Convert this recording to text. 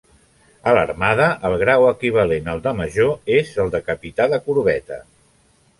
A l'armada el grau equivalent al de major és el de capità de corbeta.